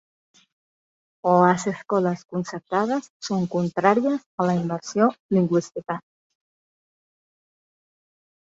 Les escoles concertades són contràries a la immersió lingüística.